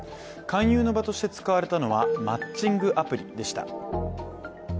勧誘の場として使われたのはマッチングアプリでした。